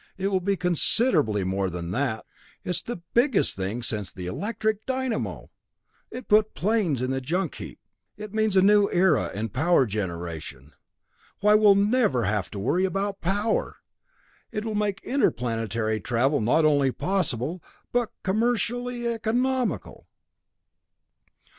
"It will be considerably more than that. It's the biggest thing since the electric dynamo! It puts airplanes in the junk heap! It means a new era in power generation. Why, we'll never have to worry about power! It will make interplanetary travel not only possible, but commercially economical."